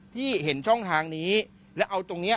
ที่เห็นช่องทางนี้และเอาตรงนี้